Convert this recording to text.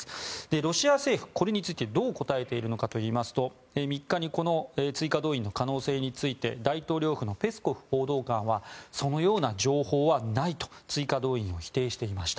ロシア政府、これについてどう答えているかといいますと３日に追加動員の可能性について大統領府のペスコフ報道官はそのような情報はないと追加動員を否定していました。